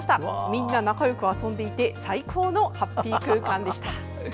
みんな仲よく遊んでいて最高のハッピー空間でした。